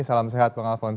salam sehat bang alvons